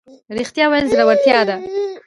ریښتیا ویل زړورتیا ده